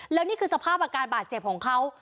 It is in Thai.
แล้วนี่คือสภาพอาการบาดเจ็บของเขา